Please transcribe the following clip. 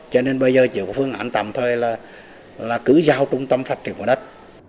cho nên bây giờ chỉ có phương án tầm thôi là cứ giao trung tâm phát triển của đất